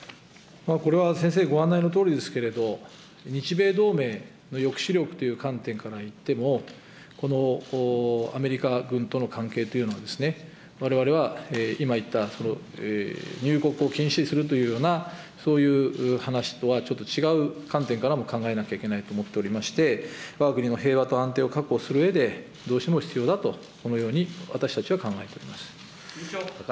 これは先生、ご案内のとおりですけれども、日米同盟の抑止力という観点からいっても、このアメリカ軍との関係というのは、われわれは今言った、入国を禁止するというような、そういう話とは、ちょっと違う観点からも考えなきゃいけないと思っておりまして、わが国の平和と安定を確保するうえで、どうしても必要だと、このように私たちは考えております。